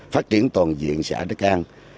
phát triển toàn diện xã đắc an